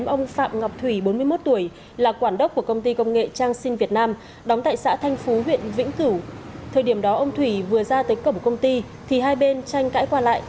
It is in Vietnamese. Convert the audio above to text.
ông thủy vừa ra tới cổng của công ty thì hai bên tranh cãi qua lại